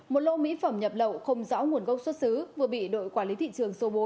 một lô mỹ phẩm nhập lậu không rõ nguồn gốc xuất xứ vừa bị đội quản lý thị trường số bốn